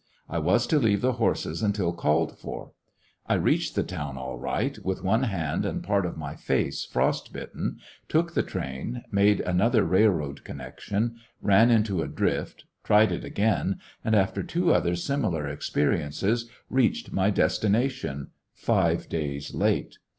I was to leave the horses until called for. I reached the town all right, with one hand and part of my face frost bitten, took the train, made an other railroad connection, ran into a drift, tried it again, and after two other similar ex periences reached my destination five days late.